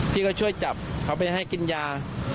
พี่ก็ช่วยจับเขาไปให้กินยา